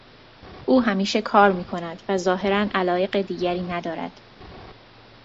او همیشه کار میکند و ظاهرا علایق دیگری ندارد.